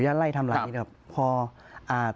ช่วยล่าคค์เวลาย่อน